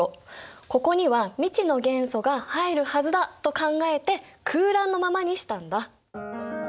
ここには未知の元素が入るはずだと考えて空欄のままにしたんだ。